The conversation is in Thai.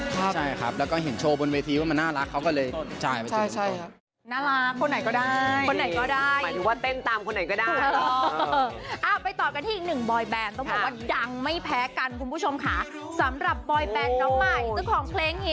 ใช่ครับแล้วก็เห็นโชว์บนเวทีว่าน่ารักเขาก็เลยจ่ายมาเจอกันก่อน